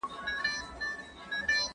موږ له پخوا راهيسي د حق غوښتنه کوو.